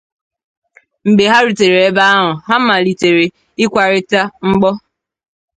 Mgbe ha rutere ebe a ahụ ha malitere ịkwarịta mgbọ